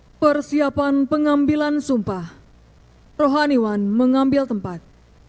hai persiapan pengambilan sumpah rohaniwan mengambil tempat